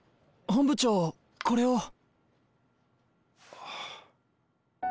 本部長これを。